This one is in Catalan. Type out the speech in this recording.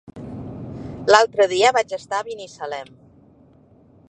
L'altre dia vaig estar a Binissalem.